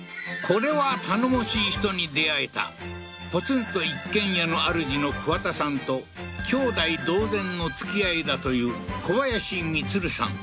これは頼もしい人に出会えたポツンと一軒家のあるじのクワタさんと兄弟同然の付き合いだという小林満さん